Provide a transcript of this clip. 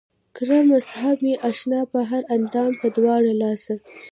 کړه مسحه مې اشنا پۀ هر اندام پۀ دواړه لاسه